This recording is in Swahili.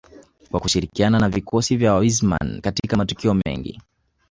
kwa kushirikiana na vikosi vya Wissmann katika matukio mengi